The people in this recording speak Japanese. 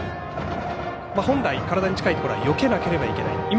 本来、体に近いところはよけなければいけない。